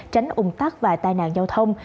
tránh ung tắc và tai nạn giao thông